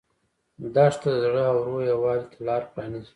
دښته د زړه او روح یووالي ته لاره پرانیزي.